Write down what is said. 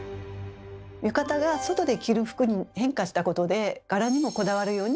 浴衣が「外で着る服」に変化したことで柄にもこだわるようになりました。